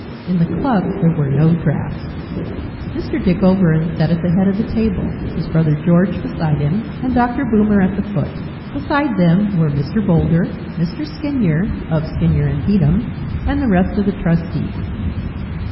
In the club there were no draughts. Mr. Dick Overend sat at the head of the table, his brother George beside him, and Dr. Boomer at the foot. Beside them were Mr. Boulder, Mr. Skinyer (of Skinyer and Beatem) and the rest of the trustees.